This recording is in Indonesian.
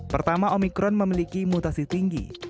pertama omikron memiliki mutasi tinggi